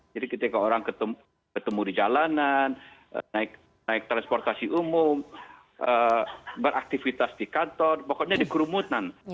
jadi ketika orang ketemu di jalanan naik transportasi umum beraktivitas di kantor pokoknya dikurumunan